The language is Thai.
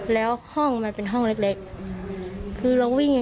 แล้วห้องมันเป็นห้องเล็กคือเราวิ่งยังไงเราลากเก้าอี้ยังไง